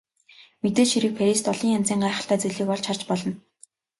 Мэдээж хэрэг Парист олон янзын гайхалтай зүйлийг олж харж болно.